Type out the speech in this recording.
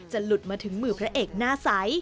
หลุดมาถึงมือพระเอกหน้าใส